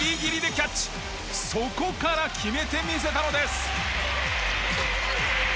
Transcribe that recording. そこから決めてみせたのです！